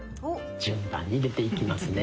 順番に出ていきますね。